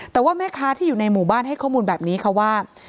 แต่ว่าแม่ค้าที่อยู่ในหมู่บ้านให้ข้อมูลแบบนี้ค่ะว่า